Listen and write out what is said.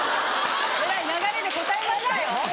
偉い流れで答えましたよ。